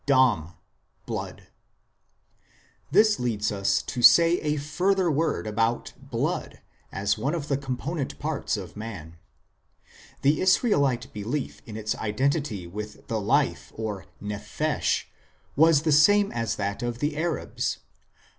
"DAM," BLOOD This leads us to say a further word about blood as one of the component parts of man. The Israelite belief in its identity with the life or nephesh was the same as that of the Arabs.